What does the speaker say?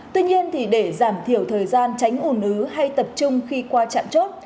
tuy nhiên thì để giảm thiểu thời gian tránh ủn ứ hay tập trung khi qua trạm chốt